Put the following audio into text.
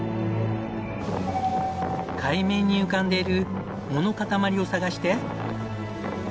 海面に浮かんでいる藻の塊を探して。